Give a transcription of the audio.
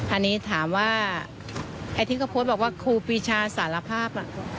อันนี้ถามว่าไอ้ที่เขาโพสต์บอกว่าครูปีชาสารภาพ